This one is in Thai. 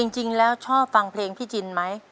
จริงแล้วชอบฟังเพลงพี่จินไหม